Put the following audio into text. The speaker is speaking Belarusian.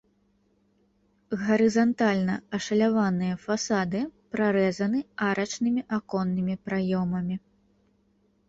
Гарызантальна ашаляваныя фасады прарэзаны арачнымі аконнымі праёмамі.